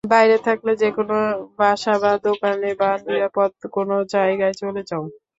বাইরে থাকলে, যেকোনো বাসা বা দোকানে বা নিরাপদ কোনো জায়গায় চলে যাও।